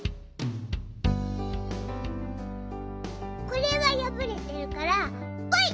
これはやぶれてるからぽい！